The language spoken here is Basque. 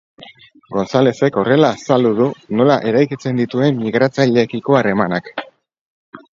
Gonzalezek horrela azaldu du nola eraikitzen dituen migratzaileekiko harremanak.